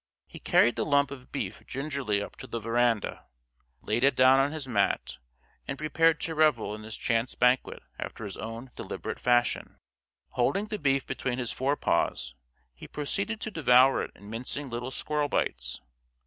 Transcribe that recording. He carried the lump of beef gingerly up to the veranda, laid it down on his mat, and prepared to revel in his chance banquet after his own deliberate fashion. Holding the beef between his forepaws, he proceeded to devour it in mincing little squirrel bites.